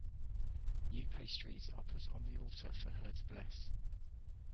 New pastries are put on the altar for her to bless.